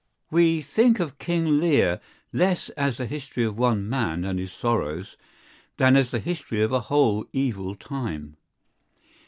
We think of King Lear less as the history of one man and his sorrows than as the history of a whole evil time.